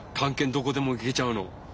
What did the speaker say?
どこでも行けちゃうの。